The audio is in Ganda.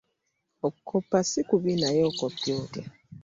Okukoppa sikubi naye okopye otya?